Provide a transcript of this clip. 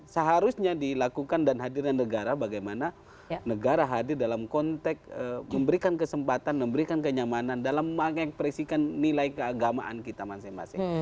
seharusnya dilakukan dan hadirnya negara bagaimana negara hadir dalam konteks memberikan kesempatan memberikan kenyamanan dalam mengekspresikan nilai keagamaan kita masing masing